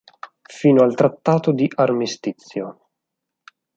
Fino al Trattato di armistizio.